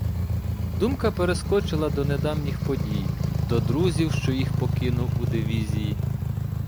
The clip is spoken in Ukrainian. Думка перескочила до недавніх подій, до друзів, що їх покинув у дивізії.